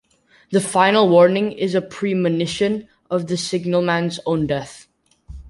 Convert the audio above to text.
The final warning is a premonition of the signalman's own death.